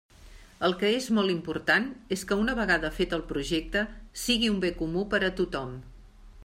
El que és molt important és que una vegada fet el projecte sigui un bé comú per a tothom.